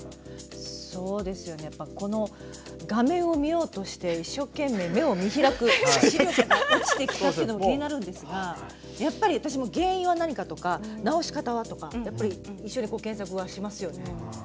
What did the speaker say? そうですよねやっぱこの画面を見ようとして一生懸命目を見開く視力が落ちてきたっていうのも気になるんですがやっぱり私も原因は何かとか治し方はとかやっぱり一緒にこう検索はしますよね。